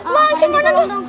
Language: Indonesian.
masih mana tuh